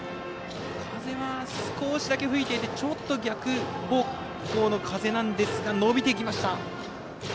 風は少しだけ吹いていてちょっと逆方向の風なんですが伸びていきました。